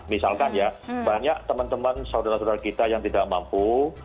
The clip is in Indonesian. misalkan ya banyak teman teman saudara saudara kita yang tidak mampu